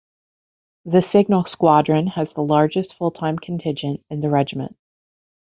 The signal squadron has the largest full-time contingent in the Regiment.